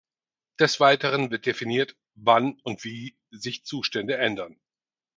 Des Weiteren wird definiert, wann und wie sich Zustände ändern.